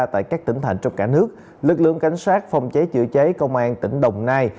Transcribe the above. tại các tỉnh thành trong cả nước lực lượng cảnh sát phòng cháy chữa cháy công an tỉnh đồng nai